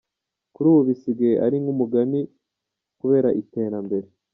Kuri ubu bisigaye ari nk’umugani kubera iterambere.